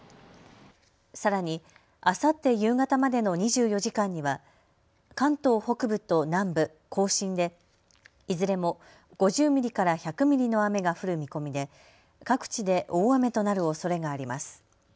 さらにあさって夕方までの２４時間には関東北部と南部、甲信でいずれも５０ミリから１００ミリの雨が降る見込みで各地で大雨となるおそれがあります。